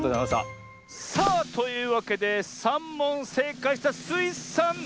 さあというわけで３もんせいかいしたスイさんゆうしょうです！